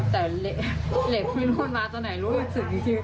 แต่เหล็กไม่รู้มาจนไหนรู้ถึง